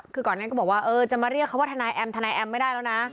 คือก่อนนั้นก็บอกว่าเออจะมาเรียกเขาว่าทนายแอมทนายแอมไม่ได้แล้วนะ